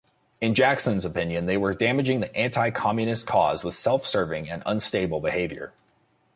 In Jackson's opinion they were damaging the anti-Communist cause with self-serving and unstable behavior.